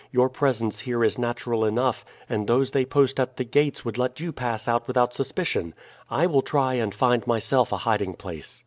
Your presence here is natural enough, and those they post at the gates would let you pass out without suspicion. I will try and find myself a hiding place."